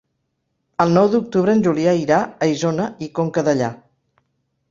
El nou d'octubre en Julià irà a Isona i Conca Dellà.